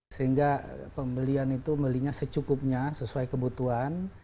sehingga pembelian itu belinya secukupnya sesuai kebutuhan